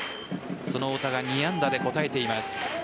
その太田が２安打で応えています。